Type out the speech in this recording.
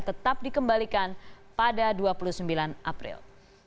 tetap dikembalikan pada dua puluh sembilan april